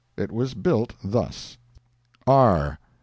It was built thus: R.